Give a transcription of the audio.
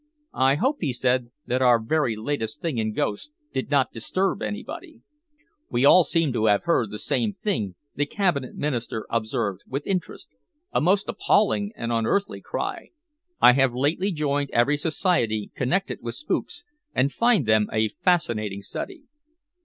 "I hope," he said, "that our very latest thing in ghosts did not disturb anybody." "We all seem to have heard the same thing," the Cabinet Minister observed, with interest, "a most appalling and unearthly cry. I have lately joined every society connected with spooks and find them a fascinating study."